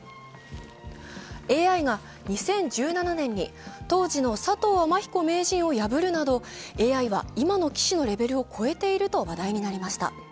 ＡＩが２０１７年に当時の佐藤天彦名人を破るなどＡＩは今の棋士のレベルを超えていると話題になりました。